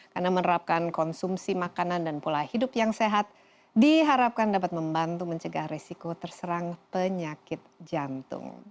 karena menerapkan konsumsi makanan dan pola hidup yang sehat diharapkan dapat membantu mencegah resiko terserang penyakit jantung